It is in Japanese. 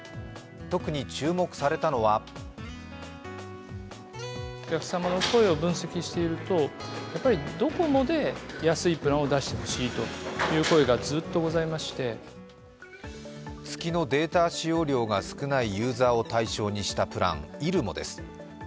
特に注目されたのは月のデータ使用量が少ないユーザーを対象にしたプラン、ｉｒｕｍｏです。